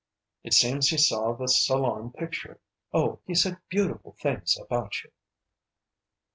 It seems he saw the Salon picture. Oh, he said beautiful things about you."